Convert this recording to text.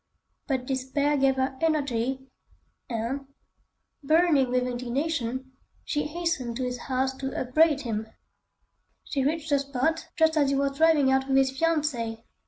But despair gave her energy, and, burning with indignation, she hastened to his house to upbraid him. She reached the spot just as he was driving out with his fiancée.